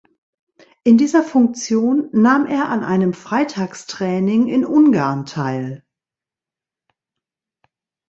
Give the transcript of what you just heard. In dieser Funktion nahm er an einem Freitagstraining in Ungarn teil.